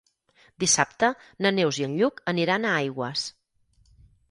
Dissabte na Neus i en Lluc aniran a Aigües.